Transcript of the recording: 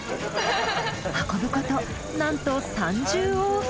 運ぶことなんと３０往復。